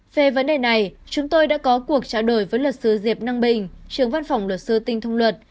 về vấn đề này chúng tôi đã có cuộc trao đổi với luật sư diệp năng bình trường văn phòng luật sư tinh thông luật